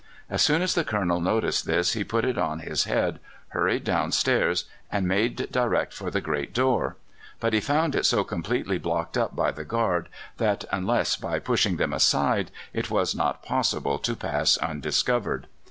As soon as the Colonel noticed this he put it on his head, hurried downstairs, and made direct for the great door; but he found it so completely blocked up by the guard that, unless by pushing them aside, it was not possible to pass undiscovered.